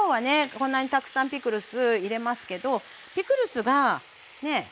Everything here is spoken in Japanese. こんなにたくさんピクルス入れますけどピクルスがね